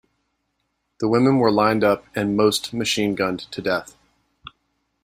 The women were lined up and most machine-gunned to death.